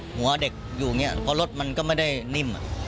หัวเด็กอยู่อย่างนี้เพราะรถมันก็ไม่ได้นิ่ม